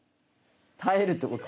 耐えるってこと？